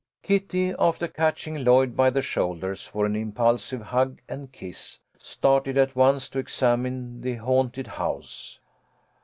Kitty, after catching Lloyd by the shoulders for an impulsive hug and kiss, started at once to examine the haunted house.